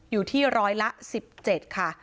อยู่ที่ร้อยละ๑๗ค่ะ